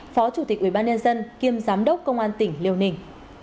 phó chủ tịch ủy ban nhân dân kiêm giám đốc công an tỉnh liêu ninh